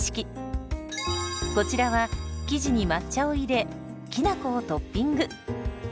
こちらは生地に抹茶を入れきなこをトッピング。